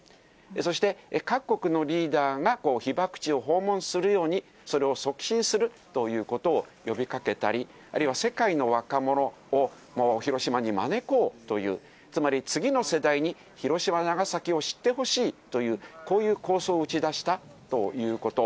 そして、各国のリーダーが被爆地を訪問するように、それを促進するということを呼びかけたり、あるいは世界の若者を広島に招こうという、つまり次の世代に広島、長崎を知ってほしいという、こういう構想を打ち出したということ。